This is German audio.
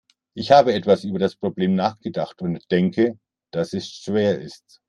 Ich habe etwas über das Problem nachgedacht und denke, dass es schwer ist.